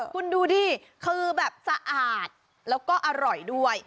คุณดูดิคือแบบสะอาดแล้วก็อร่อยด้วย